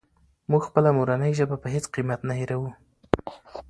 موږ خپله مورنۍ ژبه په هېڅ قیمت نه هېروو.